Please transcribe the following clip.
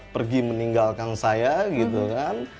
pergi meninggalkan saya gitu kan